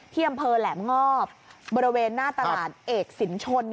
ที่อำเภอแหลมงอบบริเวณหน้าตลาดเอกสินชน